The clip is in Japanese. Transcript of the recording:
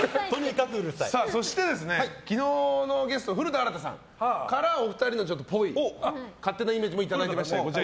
そして、昨日のゲスト古田新太さんからお二人の勝手なイメージをいただきました。